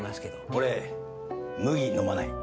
俺麦飲まない。